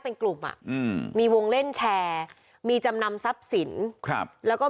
เป็นกลุ่มอ่ะอืมมีวงเล่นแชร์มีจำนำทรัพย์สินครับแล้วก็